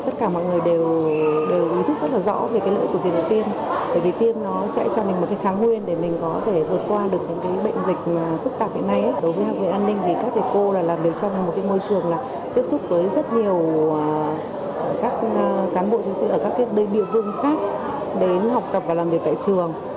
tiếp xúc với rất nhiều các cán bộ chiến sĩ ở các địa vương khác đến học tập và làm việc tại trường